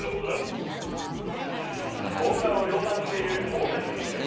ホームランを量産している大谷選手。